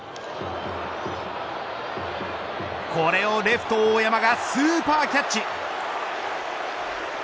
これをレフト大山がスーパーキャッチ。